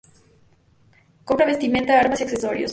Compra vestimenta, armas y accesorios.